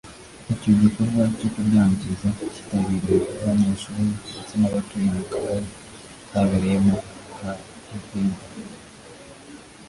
Icyo gikorwa cyo kubyangiza kitabiriwe n’abanyeshuri ndetse n’abatuye mu kagari cyabereyemo ka Rubimba